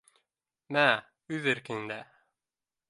— Мә, үҙ иркеңдә